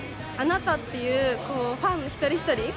「あなた」っていうファン一人一人